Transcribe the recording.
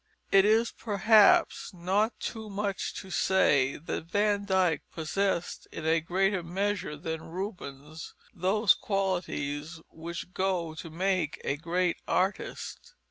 It is perhaps not too much to say that Van Dyck possessed in a greater measure than Rubens those qualities which go to make a great artist.